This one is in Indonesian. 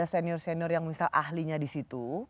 senior senior yang misal ahlinya di situ